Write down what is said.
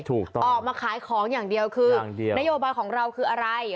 ออกมาขายของอย่างเดียวคือนโยบายของเราคืออะไร